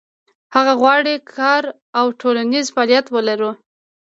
هغه غواړي کار او ټولنیز فعالیت ولري.